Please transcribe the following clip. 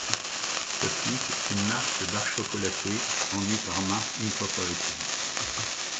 Topic est une marque de barres chocolatées vendue par Mars Incorporated.